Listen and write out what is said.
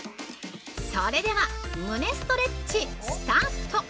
◆それでは胸ストレッチ、スタート！